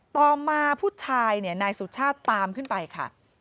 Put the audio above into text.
ต่อมาผู้ชายเนี่ยนายสุชาติตามขึ้นไปค่ะ